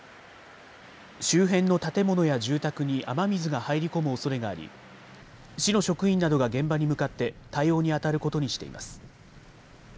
周辺の建物や住宅に雨水が入り込むおそれがあり市の職員などが現場に向かって対応にあたることにしています。